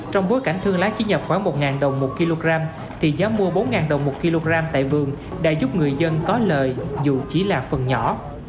trong bối cảnh thương lái chỉ nhập khoảng một đồng một kg thì giá mua bốn đồng một kg tại vườn đã giúp người dân có lời dù chỉ là phần nhỏ